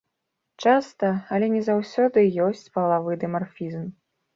Часта, але не заўсёды, ёсць палавы дымарфізм.